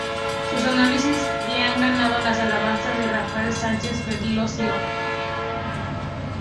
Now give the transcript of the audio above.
Sus análisis le han ganado las alabanzas de Rafael Sánchez Ferlosio.